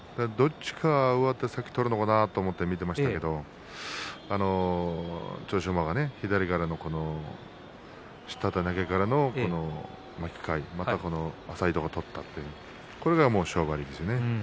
どっちが上手を先に取るのかなと思って見ていましたけれども千代翔馬が左からの下手投げからの巻き替えまた浅いところを取ったこれで勝負ありですよね。